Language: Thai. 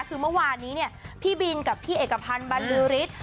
คือเมื่อวานนี้เนี่ยพี่บินกับพี่เอกพันธ์บรรลือฤทธิ์